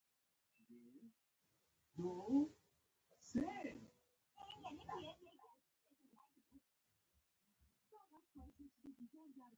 د رقیب دېرې ته مـــخامخ ولاړ یـــم